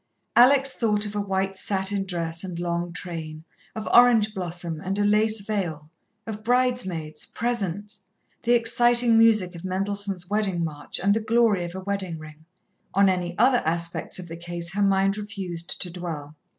Alex thought of a white satin dress and long train, of orange blossom and a lace veil, of bridesmaids, presents, the exciting music of Mendelssohn's Wedding March, and the glory of a wedding ring. On any other aspects of the case her mind refused to dwell.